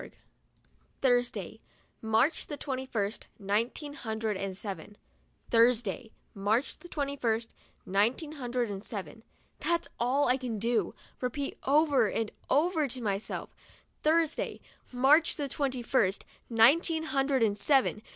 11 Thursday, March the twenty first, nineteen hundred and seven. Thursday, March the twenty first, nineteen hundred and seven. That's all I can do, repeat over and over to myself, "Thursday, March the twenty first, nineteen hundred and seven.